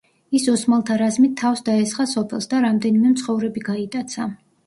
ის ოსმალთა რაზმით თავს დაესხა სოფელს და რამდენიმე მცხოვრები გაიტაცა.